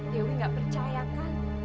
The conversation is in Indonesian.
dewi gak percaya kan